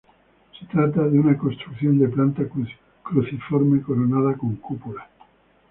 Se trata de un a construcción de planta cruciforme, coronada con cúpula.